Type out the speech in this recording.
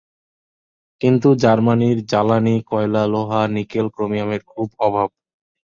কিন্তু জার্মানির জ্বালানি-কয়লা-লোহা-নিকেল-ক্রোমিয়ামের খুব অভাব।